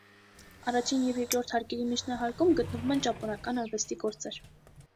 Առաջին և երկրորդ հարկերի միջնահարկում գտնվում են ճապոնական արվեստի գործեր։